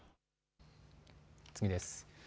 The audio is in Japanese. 次です。